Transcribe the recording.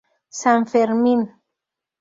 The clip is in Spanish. San Fermín.